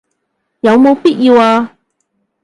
有冇必要啊